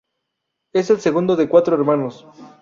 Es el segundo de cuatro hermanos.